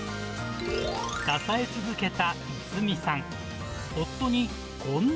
支え続けた逸美さん。